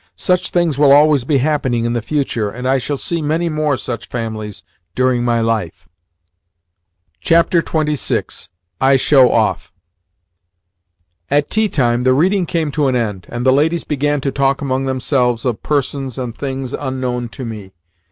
Such things will always be happening in the future, and I shall see many more such families during my life." XXVI. I SHOW OFF AT tea time the reading came to an end, and the ladies began to talk among themselves of persons and things unknown to me.